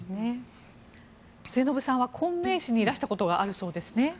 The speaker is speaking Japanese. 末延さんは昆明市にいらしたことがあるそうですね。